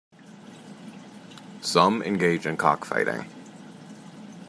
Some engage in cockfighting.